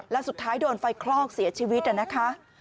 แล้วสุดท้ายโดนไฟคลอกเสียชีวิตนะคะ